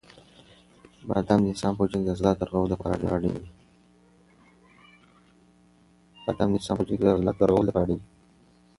بادام د انسان په وجود کې د عضلاتو د رغولو لپاره اړین دي.